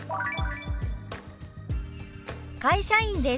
「会社員です」。